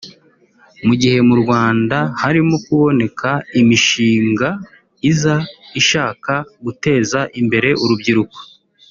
Mu gihe mu Rwanda harimo kuboneka imishinga iza ishaka guteza imbere urubyiruko